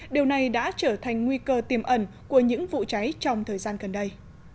điều này đã trở thành nguy cơ tiềm ẩn của những vụ cháy trong thời gian gần đây